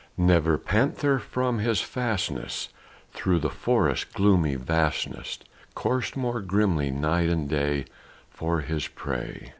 Never panther from his fastness, through the forest's gloomy vastness, Coursed more grimly night and day for his prey.